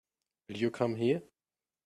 Will you come here?